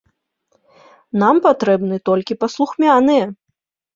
Нам патрэбны толькі паслухмяныя!